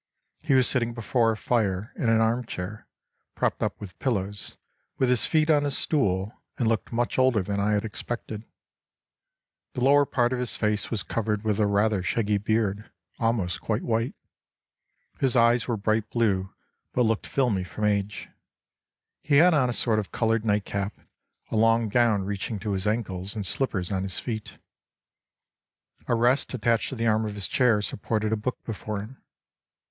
He was sitting before a fire in an arm chair, propped up with pillows, with his feet on a stool, and looked much older than I had expected. The lower part of his face was covered with a rather shaggy beard, almost quite white. His eyes were bright blue, but looked filmy from age. He had on a sort of coloured night cap, a long gown reaching to his ankles, and slippers on his feet. A rest attached to the arm of his chair supported a book before him.